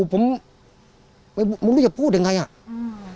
ผมไม่รู้จะพูดยังไงอ่ะอืม